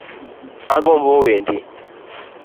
Agombo wendi.